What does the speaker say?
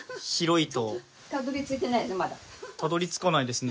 たどり着かないですね。